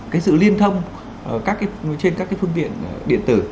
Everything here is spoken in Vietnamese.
cái sự liên thông trên các phương viện điện tử